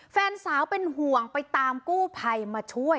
แฟนสาวเป็นห่วงไปตามกู้ภัยมาช่วย